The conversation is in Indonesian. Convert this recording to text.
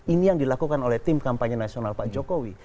ini yang dilakukan oleh tim kampanye nasional pak jokowi